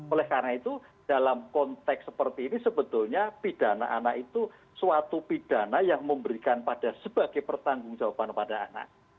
oleh karena itu dalam konteks seperti ini sebetulnya pidana anak itu suatu pidana yang memberikan pada sebagai pertanggung jawaban pada anak